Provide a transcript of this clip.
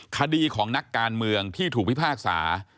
คดีของนักการเมืองที่ถูกพิพากษา